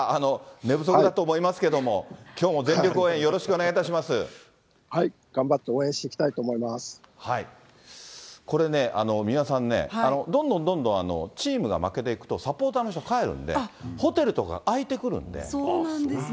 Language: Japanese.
寝不足だと思いますけれども、きょうも全力応援、頑張って応援してきたいと思これね、三輪さんね、どんどんどんどん、チームが負けていくと、サポーターの人、帰るんで、そうなんですね。